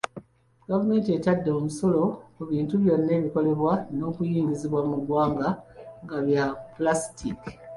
Gavumenti etadde omusolo ku bintu byonna ebikolebwa n’okuyingizibwa mu ggwanga nga bya Pulasitiiki.